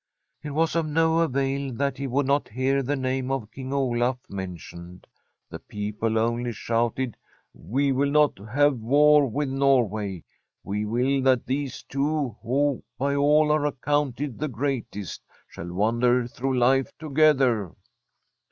It was of no avail that he would not hear the name of King Olaf mentioned. The people only shouted :' We will not have war with Norway. We will that these two, who by all are accounted the greatest, shall wander through life together.'